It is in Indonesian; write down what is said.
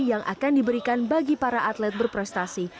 yang akan diberikan bagi para atlet berprestasi